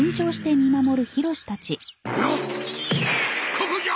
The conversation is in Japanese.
ここじゃ！